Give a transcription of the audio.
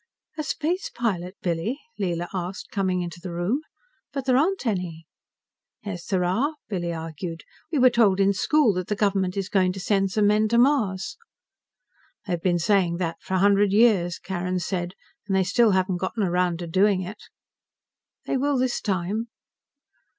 "A space pilot, Billy?" Leela asked, coming in to the room. "But there aren't any." "Yes, there are," Billy argued. "We were told in school that the government is going to send some men to Mars." "They've been saying that for a hundred years," Carrin said, "and they still haven't gotten around to doing it." "They will this time."